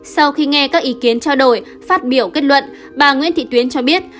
sau khi nghe các ý kiến trao đổi phát biểu kết luận bà nguyễn thị tuyến cho biết